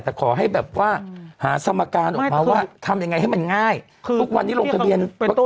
แต่ขอให้แบบว่าหาสมการออกมาว่าทำยังไงให้มันง่าย